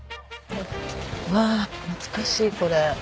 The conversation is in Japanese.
うわ懐かしいこれ。